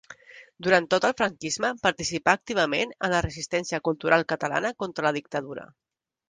Durant tot el franquisme participà activament en la resistència cultural catalana contra la dictadura.